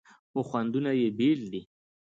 خو خوندونه یې بیل دي.